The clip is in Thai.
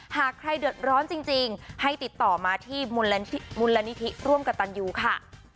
หากใครเดือดร้อนจริงให้ติดต่อมาที่มูลนิธิร่วมกับตันยูค่ะ